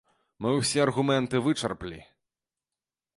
Мы ўсе аргументы вычарпалі.